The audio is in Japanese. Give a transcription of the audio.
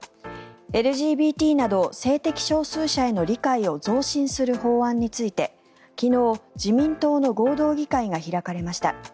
ＬＧＢＴなど性的少数者への理解を増進する法案について昨日、自民党の合同議会が開かれました。